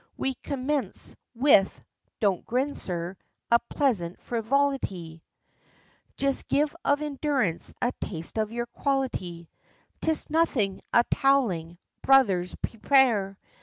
We commence with (don't grin, sir!) a pleasant frivolity: Just give of Endurance a taste of your quality; 'Tis nothing a towelling. Brothers, prepare!'